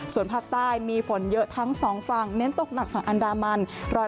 ส่วนภาคใต้มีฝนเยอะทั้งสองฝั่งเน้นตกหนักฝั่งอันดามัน